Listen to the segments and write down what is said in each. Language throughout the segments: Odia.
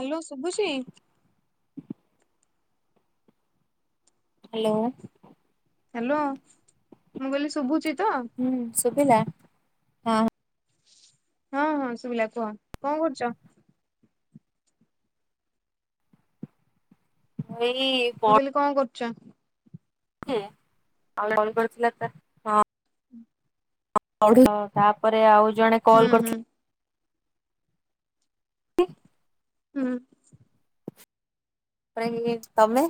ହାଲୋ ଶୁବୁଚି? ହାଲୋ! ହ୍ଯାଲୋ, ମୁଁ କହିଲିି ଶୁଭୁଚି ହୁଁ। ଶୁଭିଲା। ହଁ ହଁ ହଁ! ଶୁଭିଲା କୁହ। କ'ଣ କରୁଚ? ମୁଁ ଏଇ ପ ଛ ଥିଲା ହଁ। ତାପରେ ଆଉ ଜଣେ ହୁଁ କଲ ହୁଁ କରିଥିଲେ! [unintelligible] ହଁ। ତମେ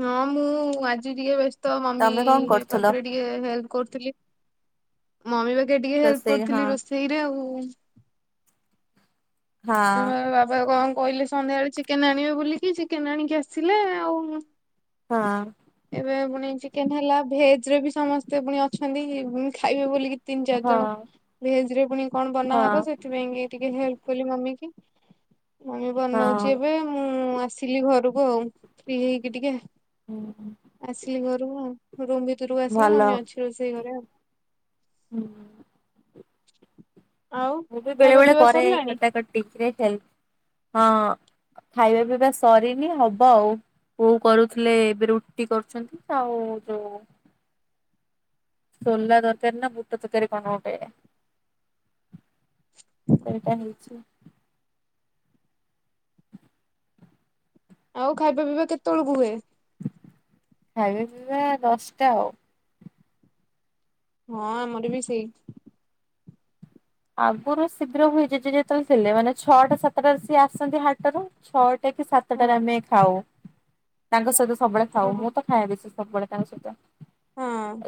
ହଁ ମୁଁ ଆଜି ଟିକେ ବ୍ୟସ୍ତ ମମି ତମେ କଣ କରୁଥିଲ ପାଖରେ ଟିକେ ହେଲ୍ପ କରଥିଲ ମମି ପାଖେ ଟିକେ ହେଲ୍ପ ରୋଷେଇ ହଁ କରିଥିଲି, ରୋଷେଇରେ ଆଉ। ହଁ ହ ବାବା କଣ କହିଲେ ସନ୍ଧ୍ୟାବେଳେ ଚିକେନ ଆଣିବେ ବୋଲିକି, ଚିକେନ ଆଣିକି ଆସିଲେ ଆଉ। ହଁ। ଏ ପୁଣି ଚିକେନ ହେଲା ଭେଜ ରେ ବି ସମସ୍ତେ ପୁଣି ଅଛନ୍ତି ଖାଇବେ ବୋଲିକି ତିନି ଚାରି ହଁ ଜଣ ଭେଜ ରେ ପୁଣି କଣ ହଁ ବନାହବ ସେଥିପାଇଁ ଟିକେଲ୍ପ ମୁମ ବନଉଛି ହଁ ଏବେ ମୁଁ ଆସିଲି ଘରକୁ ଆ ଆଉ ଫ୍ରି ହେଇକି ଟିକେ ହୁଁ ଆସିଲି ଘରୁ ଆଉ। ରୁମ୍ ଭିତରକୁ ଆସିଲି ଭଲ ମମି ଅଛି ରୋଷେଇ ଘରେ ଆଉ। ହୁଁ। ଆଉ ମୁଁ ବି ବେଳେ ଖାଇବା ବେଳେ ପିଇବା କରେ ସରିଲାଣି କଟାକଟଚରେ ହେଲ୍ପ ହଁ। ଖାଇବା ପିଇବା ସରିନି ହବ ଆଉ। କୋଉ କରୁଥିଲେ, ଏବେ ରୁଟି କରୁଛନ୍ତି ଆଉ ଯୋଉ ହ ସଲାଦ ଓକାରାର ନା ପୁଟ ତକାରାର କଣଟେ ସେଇଟା ହେଇଛି। ଆଉ ଖାଇବା ପିଇବା କେତେବେଳକୁ ହୁଏ। ଆ ଦଶଟା ଆ ହଁ ଆମର ବି ସେଇ ଆଗରୁ ଶୀଘ୍ର ହେଇଯ ଯେ ଯେତେବେଳେ ଥିଲେ, ମାନେ ଛଅଟା ସାତଟା ସିଏ ଆସନ୍ତି ହାଟରୁ ଛଅଟା କି ସାତଟାରେ ହଁ ଆମେ ଖାଉ ତାଙ୍କ ସହିତ ସବୁବେଳେ ଖାଉ ହଁ ମୁଁ ତ ଖାଇବା ବେଶ ସବଳେ କଙ୍କ ସହିତଛ। ହଁ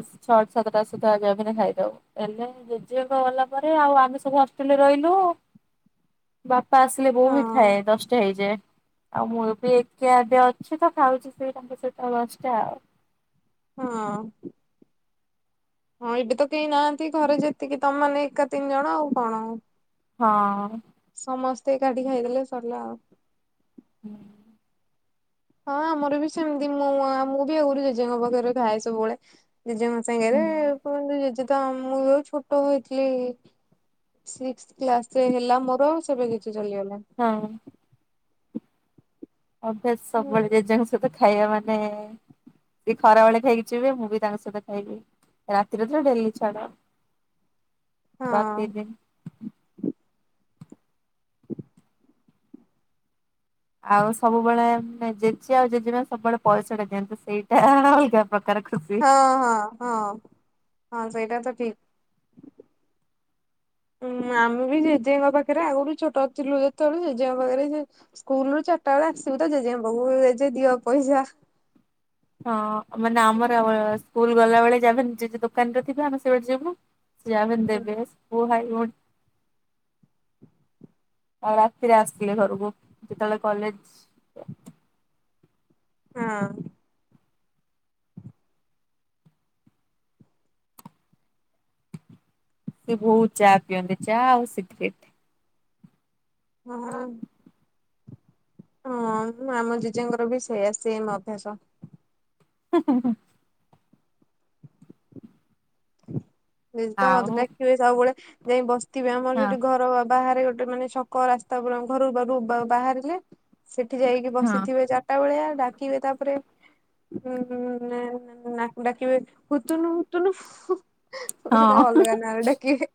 ସାତଟା ସତା ଆବା ପାଇଁ ଖାଇଦଉ ହେଲେ ଜେଝେ ଗଲା ଆଉ ଆମେ ସବୁ ହଷ୍ଟେଲରେ ରହିଲୁ ବାପା ଆସିଲେ ବୋଉ ହ ହଁ। ଥାଏ ଦଶଟା ହେଇଯାଏ। ଆଉ ମୁଁ ବି ଏକେ ଆବେ ଅଛି, ତ ଖାଉଛି ସେ ତାଙ୍କ ସହିତ ନଷ୍ଟା ଆଉ। ହଁ। ହଁ ଏବେ ତ କେହି ନାହାନ୍ତି ଘରେ ଯେତିକି ତମମାନେ ଏକା ତିନି ଜଣ ଆଉ କଣ ଆଉ। ହଁ। ସମସ୍ତେ କାଠି ଖାଇଦେଲେ ସରିଲା ଆଉ। ହୁଁ। ହଁ ଆମର ବି ସେମିତି, ମୁଁ ମୁଁ ବି ଆଗରୁ ଜେଜେଙ୍କ ପାଖରେ ଥାଏ, ସବୁବେଳେ ଜଜେ ମ ସାଙ୍ଗରେ ହୁଁ କୁହନ୍ତୁ! ତ ମୁଁ ଛୋଟ ହେଥିଲିିକ୍ରେ ହେଲା ମ ହ ସେବେ କିଛି ଚାଲିଗଲା। ହଁ ଅଭ୍ୟାସ ହୁଁ। ସବୁବେଳେ ଜଜ ସହିତ ଖାଇବା ମାନେ ସେ ଖରାବେଳେ ଖାଇକି ଯିବେ, ମୁଁ ବି ତାଙ୍କ ସହିତ ଖାଇବି ରାତିରେଥରେ ଡେଲି ଛଡ ହଁ ରାତି ଦିନ ଆଉ ସବୁବେଳୋନେ ଜେଜେ ଆଉ ଜେଜେମା ସବୁବେଳେ ପଇସା ଟା ଦିଅନ୍ତୁ, ସେଇଟା ଅଲଗା ପ୍ରକାର ଖୁସି। ହଁ ହଁ ହଁ ହଁ ସେଇଟା ତ ଠିକ। ହୁଁ ଆମେ ବି ଜେଜେଙ୍କ ପାଖରେ ଆଗରୁୁ ଛୋଟ ଥିଲୁ ଯେତେବେଳେ ଜେଜେଙ୍କ ପାଖରେ ସେ ସ୍କୁଲ ରୁ ଚା ରଟା ବେଳେ ଆସିବୁ ତ ଜେଜେଙ୍କ ପାଖକୁ ଜେଜେ ଦିଅ ପଇସା। ହଁ ମାନେ ଆମର ସ୍କୁଲ ଗଲାବେଳେ ଯାହାବି ହେଲେ ଜେଜେ ଦୋକାନରେ ଥିବେ ଆମେ ସେଇବାଟେ ଯିବୁ। ସେ ଆମେ ହଁ ଦେବେ ସ୍କୁଲ୍ ଭାଈ ଭଉଣୀ। ଆଉ ରାତିରେ ଆସିଥିଲେ ଘରକୁ ଯେତେବେଳେ କଲେଜ ହଁ। ସେ ବହୁତ ଚା ପିଅନ୍ତି ଚା ଆଉ ସିଗରେଟ୍। ହଁ। ହଁ ଆମ ଜେଜେଙ୍କର ବି ସେଇଆ ଶେମ୍ ଅଭ୍ୟାସ। [inaudible] ସେ ତ ମତେ ଆଉ ଡାକିବେ ସବୁବେଳେ ଯାଇ ବସିଥିବେ ଆମର ହଁ ସେଠି ଘର ବାହାରେ ଗୋ ଟେ ମାନେ ଛକ ରାସ୍ତା ଉପରକୁ ଆମ ଘରୁ ପଖକୁ ବାହାରିଲେ ସେ ଠି ଯାଇକି ହଁ ବସିଥିବେ ଚାରିଟା ବେଳିଆ ଡାକିବେ ତାପରେ ହୁଁ ନା କୁ ଡାକିବେ ହୁତୁନୁ ହୁତୁନୁ। ଗୋଟେ ହଁ ଅଲଗା ନାଁ ଗୋଟେ କିଏ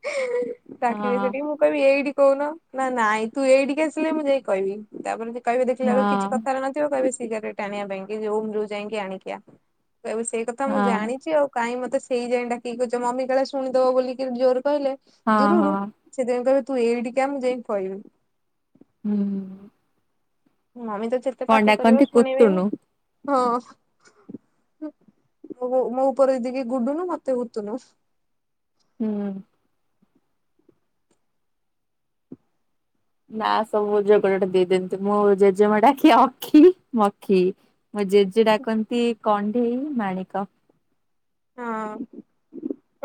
ଡାକିବେ ହଁ ସେଠିକି ମୁଁ କହିବି ଏଇଠି କହୁନ ନା ନାଇଁ ତୁ ଏଇଠିକି ଆସିଲେ ମୁଁ ଯାଇ କହିବି ତାପରେ କହିବି ହଁ ଦେଖିଲାବେଳକୁ କିଛି କଥା ନଥିବ କହିବେ ଶିଗାରେଟ ଆାଣିବା ପାଇଁ କି ଯୋଉ ଯାଇକି ଆଣିକି ଆ ଆଉ ସେଇ କଥା ମୁଁ ହଁ ଜାଣିଛି ଆଉ କାଇଁ ମତେ ସେଇଥି ପାଇଁ ଡାକିକି କହୁଛି ମମି କାଳେ ଶୁଣିିଦବ ବୋଲିକି ଜୋର କହିଲେ ହଁ ଦୂରୁରୁ ହଁ ସେଥିପାଇଁ କହିବେ ତୁ ଏଇଠିଆ ମୁଁ ଯାଇଁକି କହିବି। ହୁଁ ହୁଁ। ମମି ତ ଯେତେ କଣ ପାର୍ଟି କରିବ ଡାକନ୍ତି ଶୁଣିବେ କୁଟୁନୁ ହଁ। ହ ମୋ ଉପର ଦିଦିକି ଗୁଡୁନୁ ମତେ ହୁତୁନୁ। ହୁଁ। ନା ସବୁ ଯ କୁଆଡେ଼ ଗୋଟେ ଦେଇଦିଅନ୍ତି ମୋ ଜେଜେମା ଡାକିବେ ଅଖି ମଖି ମୋ ଜେଜେ ଡାକନ୍ତି କଣ୍ଡେଇ ମାଣିକ। ହଁ [unintelligible]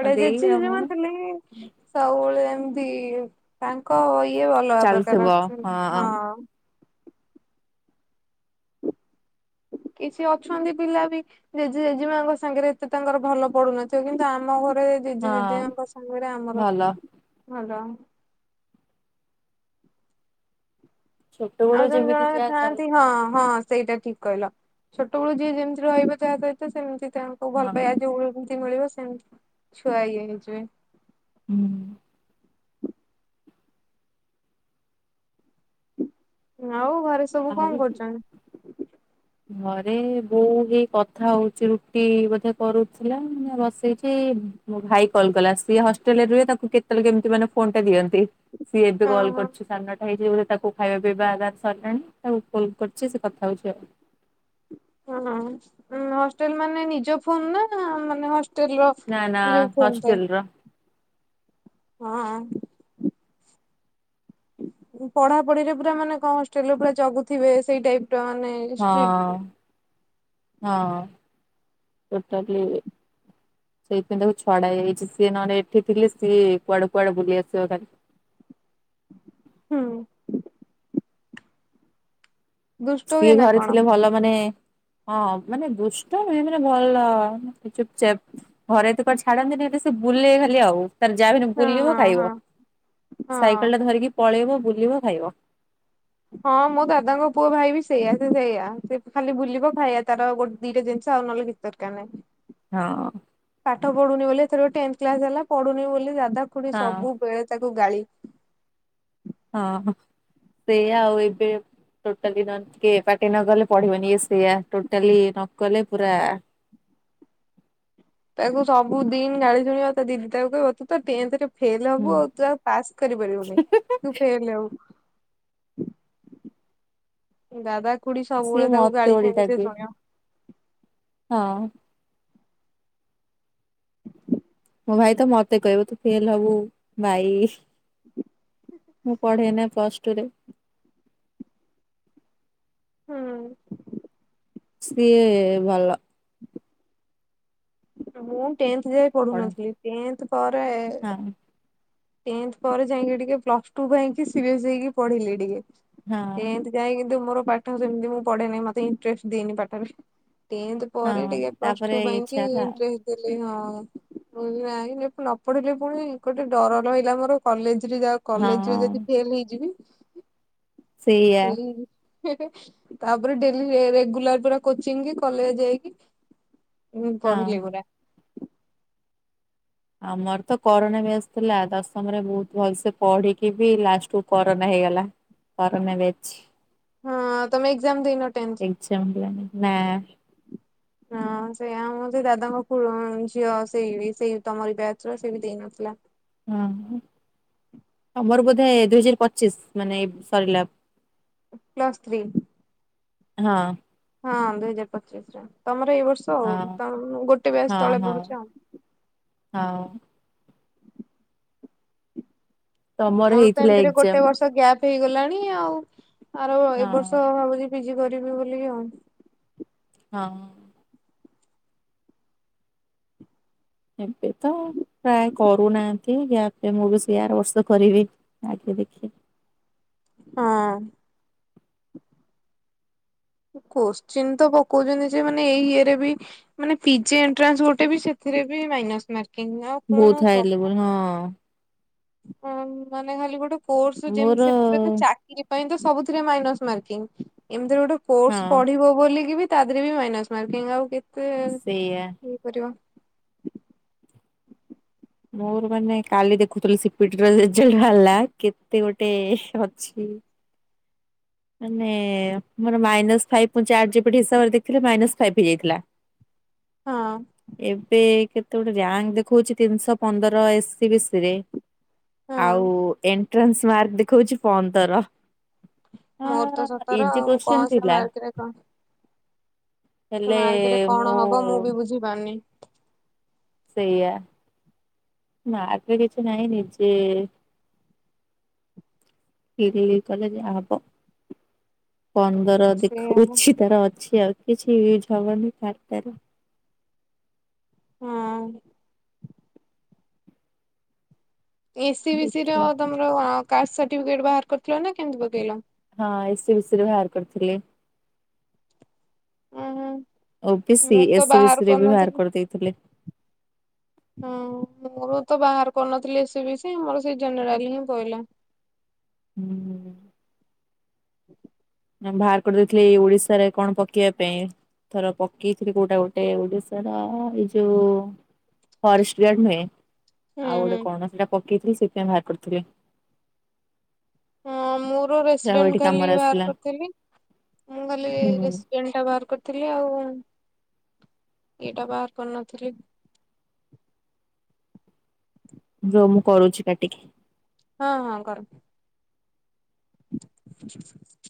ମୋ ଦେଇ ଆଉ ମୁଁ। ଏମତି ତାଙ୍କ ଇଏ ଅଲଗା ପ୍ରକାର ଅଛି ହଁ। [inaudible] କିଛି ଅଛନ୍ତି ପିଲା ବି ଜେଜେ ଜେଜେମାଙ୍କ ସାଙ୍ଗରେ ଏତେ ତାଙ୍କର ଭଲ ପଡୁନଥିବ କିନ୍ତୁ ଆମ ଘର ହଁ ଜେଜେ ଜେଜେମାଙ୍କ ସାଙ୍ଗରେ ଆମର ଭଲ। ଭଲ। ଆଉ ଛୋଟବେଳୁ ଜଣେ ଯେମିତି ଜଣ ଯାହା ଥାଆନ୍ତି ହଁ ଚାଲୁଥିବ ହଁ। ସେଇଟା ଠିକ୍ କହିଲ ଛୋଟବେଳ ଯିଏ ଯେମିତି ରହିବ ତାହା ସହିତ ସେମିତି ତାଙ୍କୁ ଭଲ ହଁ ପାଇବା ଯୋଉଏମତି ମିଳିବ ସେମିତି ଛୁଆ ଇଏ ହେଇଯିବେ। ହୁଁ। ଆଉ ଘରେ ସବୁ କଣ ଆଉ କରୁଛନ୍ତି? ଘରେ ବୋଉ ହେଇ କଥା ହଉଛି ରୁଟି ବୋଧେ କରୁଥିଲା ଏଇନା ବସେଇଛି। ମୋ ଭାଇ କଲ କଲା ସିଏ ହଷ୍ଟେଲ ରେ ରୁହେ ତାକୁ କେତେବେଳେ କେମିତି ମାନେ ଫୋନ ଟା ଦିଅ ନ୍ତି ସିଏ ଏବେ କଲ୍ ଓହୋ। କରୁଛି ସାଢ଼େ ନଅ ଭାଇ ଯିବ ବୋଧେ ତାକୁ ଖାଇବା ପିଇବା ଆଗ ସରିିଲାଣି ତାକୁ ଫୋନ୍ କରିଛି ସେ କଥା ହଉଛି ଆଉ। ହଁ ହଷ୍ଟେଲ ମାନେ ନିଜ ଫୋନ ନା ମାନେ ହସ୍ ଷ୍ଟେଲ ର ନା ନା ଯଉ ଫୋନ୍ ଟା। ହଷ୍ଟେଲ ର ହଁ। ପଢ଼ା ପଢ଼ିରେ ପୁରା ମାନେ କଣ ହଷ୍ଟେଲରେ ପୁରା ଜଗୁଥିବେ ସେଇ ଟାଇପ ର ମାନେ ଷ୍ଟ୍ରିଟ୍ ହଁ ହଁ ଟୋଟାଲି। ସେଇଥିପାଇଁ ତାକୁ ଛଡ଼ା ହେଇଯାଇଛି ସିଏ ନହେଲେ ଏଠି ଥିଲେ ସିଏ କୁଆଡେ଼ କୁଆଡେ଼ ବୁଲି ଆସିବ ଖାଲି। ହୁଁ ଦୁଷ୍ଟ ସିଏ ହୁଏ ନା ଘରେ କଣ ଥିଲେ ଭଲ ମାନେ ହଁ ମାନେ ଦୁଷ୍ଟ ଏକ ରେ ଭଲ ଚୁପଚାପ୍। ଘରେ ତ କୁଆଡେ ଛାଡନ୍ତି ନେଉ ବି ସେ ବୁଲେ ଖାଲି ଆଉ। ତାର ଯା ବି ହେନେ ହଁ ବୁଲିବ ହଁ ଖାଇବ ହଁ ହଁ। ସାଇକେଲଟା ଧରିକି ପଳେଇବ ବୁଲିବ ଖାଇବ। ହଁ ମୋ ଦାଦାଙ୍କ ପୁଅ ଭାଇ ବି ସେଇଆ ସେ ସେଇଆ ସେ ଖାଲି ବୁଲିବ ଖାଇଆ ତାର ଗୋଟେ ଦିଟା ଦିନ ଥାଉ ନଲେ ଭିତର କାନେ ହଁ। ପଡୁନି ବୋଲି ଏଥରକ ଟେନଥ୍ କ୍ଲାସ ହେଲା ପଢୁନେଇ ବୋଲି ଦାଦା ଖୁଡି ହଁ ସବୁବେଳେ ତା କୁ ଗାଳି ହଁ ହଁ ସେଇଆ ଆଉ ଏବେ ଟୋଟାଲି ନଅନ କେ ପାଟି ନ କଲେ ପଢିବନି ଇଏ ସେଇଆ ଟୋଟାଲି ନକଲେ ପୁରା ତାକୁ ସବୁ ଦିନ ଗାଳି ଶୁଣିବ ତା ଦିଦି ତାକୁ କହିବ ତୁ ତ ଟେନଥରେ ଫେଲ ହୋବୁ ହୁଁ ଆଉ ତୁ ଆଉ ପାସ୍ କରିପାରିବୁନେଇ ତୁ ଫେଲ ହୋବୁ। ଦାଦା ଖୁଡି ସିଏ ସବୁବେଳେ ତାକୁ ମତେ ଗାଳି ବୋଲି ଖାଲି ସେ ଶୁଣିବ। ଆଉ ମୋ ଭାଇ ତ ମତେ କହିବ ତୁ ଫେଲ ହୋବୁ ଭାଇ ମୁଁ ପଢେନା। ପ୍ଲସ ଟୁରେ ହୁଁ। ସିଏ ଭଲ ମୁଁ ଟେନ୍ଥ୍ ଯାଏ ପଢନ୍ତି ପଢୁନଥିଲି ଟେନ୍ଥ୍ ପରେ ହଁ ଟେନ୍ଥ୍ ପରେ ଯାଇକି ଟିକେ ପ୍ଲସ ଟୁ ପାଇଁକି ସିିରିଏସ୍ ହେଇକି ପଢିଲି ଟିକେ ହଁ। ଟେଥ ଯାଏଁକି କିନ୍ତୁ ମୋର ପାଠ ସେମତି ମୁଁ ପଢେନେଇ ମତେ ଇଣ୍ଟରେଷ୍ଟ ଦିଏନି ପାଠରେ। ଟେନ୍ଥ ପରେ ହଁ ଟିକେ ପ୍ଲସ ତାପରେ ଟୁ ପାଇଁ ଇଚ୍ଛା କିି ହେଲା ଲି ହଁ ମୁଁ କଇଲି ନାଇ ନ ପଢିଲେ ପୁଣି ଗୋଟେ ଡର ରହିଲା ମୋର କଲେଜ ଯିବି ଯା ହଁ କଲେଜରେ ଯଦି ଫେଲ ହେଇଯିବି। ସେଇଆ ସେଇଲାଗି ମୁଁ ହେ ହେ ତାପରେ ଡେଲି ରେ ରେଗୁଲାର ପୁରା କୋଚିଂ କି କଲେଜ ଯାଇକି ମୁଁ ହଁ। ପଢିଲି ପୁରା। ଆମର ତ କରୋନା ବ୍ୟାଚ ଥିଲା ଦଶମରେ ବୋହୁତ ଭଲସେ ପଢିକି ବି ଲାଷ୍ଟକୁ କରୋନା ହେ ହେଇଗଲା କରୋନା ବ୍ୟାଚ। ହଁ ତମେ ଏଗଜାମ୍ ଦେଇନ ଟେନ୍ଥ୍? ଏକ୍ଜାମ ହେଲାନି ନା। ହଁ ସେଇଆ ଆମ ସେଇ ଦାଦାଙ୍କ ପୁଅ ଅମ୍ ଝିଅ ସେଇ ବି ସେଇ ତମର ବ୍ୟାଚର ସେ ବି ଦେଇନଥିଲା। ଉଁହୁଁ। ତମର ବୋଧେ ଦୁଇହଜାର ପଚିଶ ମାନେ ଏଇ ସରିଲା? Plus three. ହଁ। ହଁ ଦୁଇ ହଜାର ପଚିଶରେ ତମ ଏଇ ବର୍ଷ ଆଉ ହଁ ତାର ଗୋଟେ ବ୍ୟାଚ ହଁ ତଳେ ହଁ। ପଢୁଚ ଆଉ। ହଁ ତମର ମୋର ତ ହେଇଥିଲା ଏମିତିରେ ଏକ୍ଜାମ ଗୋଟେ ବର୍ଷ ଗ୍ୟାପ ହେଇଗଲାଣି ଆଉ ଆର ଏଇ ହଁ ବର୍ଷ ଭାବୁଛଚି ପିଜି କରିବି ବୋଲିିକି ଆଉ। ହଁ। ଏବେ ତ ପ୍ରାୟେ କରୁନାହାନ୍ତି ବ୍ୟା ମୁଁ ବି ସେଇ ଆର ବର୍ଷ କରିବି ଆଗେ ଦେଖି ହଁ। କୋଶ୍ଚିନ୍ ତ ପକୋଉଚନ୍ତି ଯେ ମାନେ ଏଇ ଇଏରେ ବି ମାନେ ପିଜି ଏଣ୍ଟ୍ରାନ୍ସ ଗୋଟେ ବି ସେଥି ରେ ବି ମାଇନସ୍ ମାର ବୋହୁତ ହାଇ ଲେବୁଲ ହଁ। ଆଉ ମାନେ ଖାଲି ଗୋଟେ କୋର୍ସରେ ଯେମତି ମୋର ସେମତିରେ ତ ଚାକିରରି ପାଇଁ ତ ସବୁଥିରେ ମାଇସ୍ ମକିଙ୍କି ଏମିତିରେ ଗୋଟେ କୋସ ହଁ ପଢିବ ବୋଲିକି ବି ତା ଦେହ ବି ମାଇନାସ୍ ମାରକିଙ୍ଗି ଆଉ କେତେ ସେଇଆ। ଇଏ କରିବ ମୋର ମାନେ କାଲି ଦେଖୁଥିଲୁ ସିପିର ରେଜଲ୍ଟ ବାହାରିଲା କେତେ ଗୋଟେ ଅଛି ମାନେ ମୋର ମାଇନସ ଫାଇପ ମୁଁ ଚାଟ୍ ଜି ପି ଟି ଦେଖିଲି ମାଇନସ ଫାଇପ ହେଇଯାଇଥିଲା। ହଁ ଏବେ କେତେ ଗୋଟେ ରଙ୍କ ଦେଖଉଚି ତିନିଶହ ପନ୍ଦର ଏସ୍ ସ ବି ସି ରେ ହଁ ଆଉ ଏ ଟ୍ରସମାର୍କ ଦେଖୋଉଚି ପନ୍ଦର। ହଁ ମୋର ତ ସତର ଇଜି ଆଉ କୋଶ୍ଚିନ୍ କଣ ସେ ଥିଲା ମାର୍କରେ କଣ ସେ ହେଲେ ମାର୍କେଟରେ କଣ ହବ ମୁଁ ବି ବୁଝି ପାରୁନି। ସେଇଆ। ମାର୍କ ରେ କିଛି ନାହିଁ ନିଜେ [unintelligible] କଲେ ଯା ହବ। ପନ୍ଦର ସେଇଆ ଦେଖ ଉଛି ତାର ଅଛି ଆଉ କିଛି ୟଜ ହବନି ତାର ହଁ। ଏ ସି ବି ସି ର ଦେଖିବା ତମର କାଷ୍ଟ ସାଟିଫିକେଟ୍ ବାହାର କରିଥିଲ ନା କେମତି ପକେଇଲ? ହଁ ଏ ସି ବି ସି ରେ ବାହାର କରିଥିଲି। ହଁ। ଓ B C A C B C ରେ ବି ବାହାର କରିଦେଇଥିଲି। ହଁ ମୋର ତ ବାହାର କରିନଥିଲି ଏ ସି ବି ସି ମୋର ସେ ଜେନେରାଲ ହିଁ ପିଇଲା। [unintelligible] ହୁଁ। [unintelligible] ବାହାର କରି ଦେଇଥିଲି ଏଇ ଓଡିଶାରେ କଣ ପକେଇବା ପାଇଁ। ଥର ପକେଇଥିଲି କୋଉଟା ଗୋଟେ ଓଡିଶାର ଏଇ ଯୋଉ ଫରେଷ୍ଟ ଗାର୍ଡ ନୁହେଁ ହୁଁ ଆଉ ହୁଁ ଗୋଟେ କଣ ସେଟା ପକେଇଥିଲି ସେଟା ବାହାର କରିଥିଲି। ହଁ ମୋର ଯାହା ହଉ ରେସିଡେଣ୍ଟ ଏଠି ଖାଲି କାମରେ ବାହାର ଆସିଲା କରିଥିଲି। ମୁଁ ଖାଲି ହୁଁ ରେସିଡେଣ୍ଟ ଟା ବାହାର କରିଥିଲି ଆଉ ଏଇଟା ବାହାର କରିନଥିଲି। ରୁହ ମୁଁ କରୁଚି କାଟିକି। ହଁ ହଁ କର। [unintelligible]